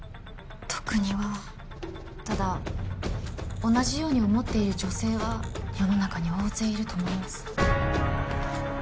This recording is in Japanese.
特にはただ同じように思っている女性は世の中に大勢いると思います